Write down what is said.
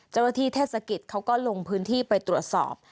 จังหวัดที่เทศกิจเขาก็ลงพื้นที่ไปตรวจสอบ